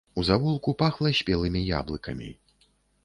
У завулку пахла спелымі яблыкамі.